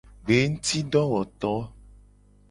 Gbengutidowoto.